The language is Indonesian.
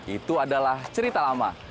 itu adalah cerita lama